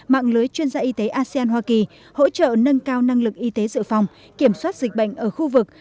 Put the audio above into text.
mạng lưới chuyên gia y tế asean hoa kỳ hỗ trợ nâng cao năng lực y tế dự phòng kiểm soát dịch bệnh ở khu vực